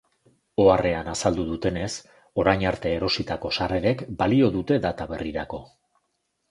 Oharrean azaldu dutenez, orain arte erositako sarrerek balio dute data berrirako.